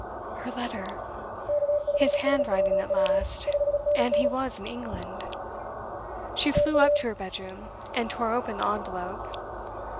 Her letter! His handwriting at last. And he was in England. She flew up to her bedroom, and tore open the envelope.